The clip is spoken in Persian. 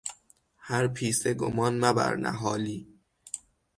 هر پیسه گمان مبر نهالی...